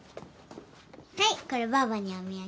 はいこればあばにお土産。